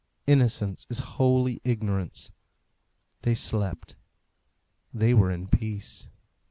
Innocence is holy ignorance. They slept. They were in peace.